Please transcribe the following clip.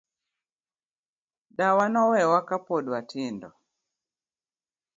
Dawa nowewa ka pod watindo.